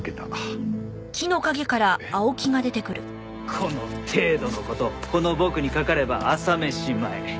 この程度の事この僕にかかれば朝飯前。